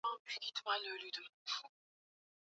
Nasikia ulimwengu wako umekuwa baridi zaidi.